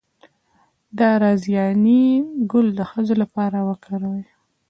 د رازیانې ګل د ښځو لپاره وکاروئ